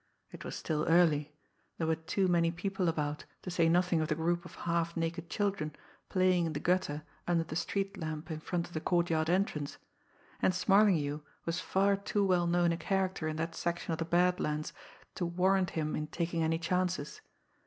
It was still early; there were too many people about, to say nothing of the group of half naked children playing in the gutter under the street lamp in front of the courtyard entrance, and "Smarlinghue" was far too well known a character in that section of the Bad Lands to warrant him in taking any chances.